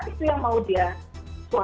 itu yang mau dia buat